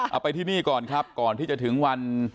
เอาไปที่นี่ก่อนครับก่อนที่จะถึงวัน